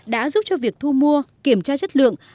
đã giúp cho việc thu mua kiểm tra chất lượng